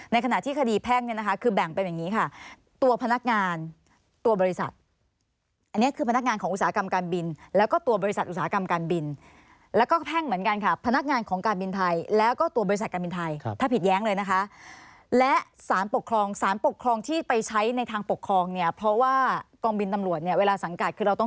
ขณะที่คดีแพ่งเนี่ยนะคะคือแบ่งเป็นอย่างนี้ค่ะตัวพนักงานตัวบริษัทอันนี้คือพนักงานของอุตสาหกรรมการบินแล้วก็ตัวบริษัทอุตสาหกรรมการบินแล้วก็แพ่งเหมือนกันค่ะพนักงานของการบินไทยแล้วก็ตัวบริษัทการบินไทยถ้าผิดแย้งเลยนะคะและสารปกครองสารปกครองที่ไปใช้ในทางปกครองเนี่ยเพราะว่ากองบินตำรวจเนี่ยเวลาสังกัดคือเราต้อง